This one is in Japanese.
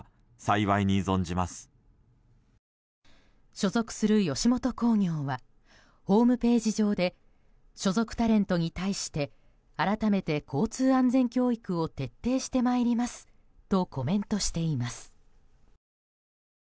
所属する吉本興業はホームページ上で所属タレントに対して改めて交通安全教育を徹底してまいりますとコメントしています。